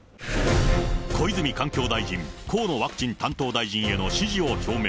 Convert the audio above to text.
小泉環境大臣、河野ワクチン担当大臣への支持を表明。